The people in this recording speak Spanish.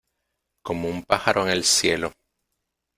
Como un pájaro en el cielo